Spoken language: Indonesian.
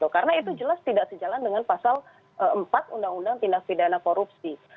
karena itu jelas tidak sejalan dengan pasal empat undang undang tindak pidana korupsi